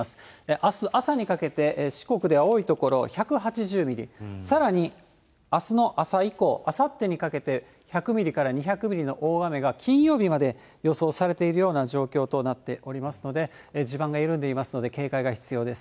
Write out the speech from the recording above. あす朝にかけて、四国では多い所１８０ミリ、さらにあすの朝以降、あさってにかけて１００ミリから２００ミリの大雨が金曜日まで予想されているような状況となっておりますので、地盤が緩んでいますので、警戒が必要です。